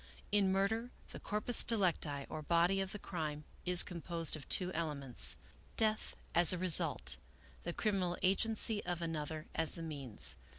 In murder, the corpus delicti, or body of the crime, is composed of two elements :'* Death, as a result. " The criminal agency of another as the means.